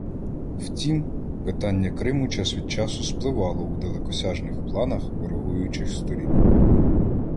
Втім, питання Криму час від часу спливало у далекосяжних планах ворогуючих сторін.